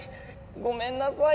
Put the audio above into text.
ごめんなさい。